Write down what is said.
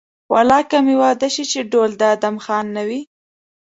والله که مې واده شي چې ډول د ادم خان نه وي.